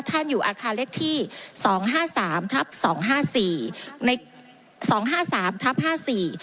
ท่านอยู่อาคารเลขที่๒๕๓๒๕๔